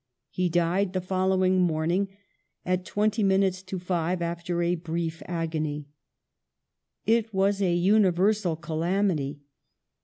He died the following morning at twenty minutes to five after a brief agony. It was a universal calamity.